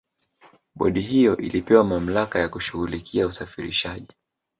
bodi hiyo ilipewa mamlaka ya kushughulikia usafirishaji